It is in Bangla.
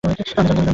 আমি তো জানতামই না।